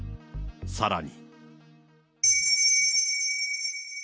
さらに。